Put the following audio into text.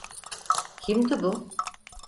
Kimdi bu?